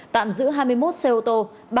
tạm giữ hai mươi một xe ô tô